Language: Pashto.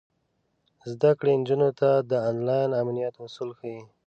زده کړه نجونو ته د انلاین امنیت اصول ښيي.